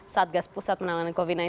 satgas pusat penanganan covid sembilan belas